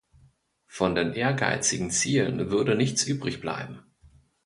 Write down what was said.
Von den ehrgeizigen Zielen würde nichts übrig bleiben.